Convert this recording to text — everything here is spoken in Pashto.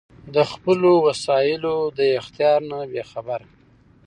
د خپلــــــو وسائیلـــــــو د اختیار نه بې خبره